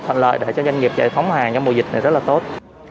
thuận lợi để cho doanh nghiệp giải phóng hàng trong mùa dịch này rất là tốt